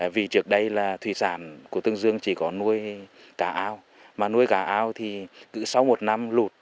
vì trước đây là thủy sản của tường dương chỉ có nuôi cả ao mà nuôi cả ao thì cứ sau một năm lụt